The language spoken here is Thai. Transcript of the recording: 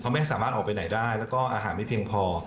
ไม่สามารถออกไปไหนได้แล้วก็อาหารไม่เพียงพอ